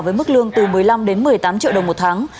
với mức lương từ một mươi năm đến một mươi tám triệu đồng một tháng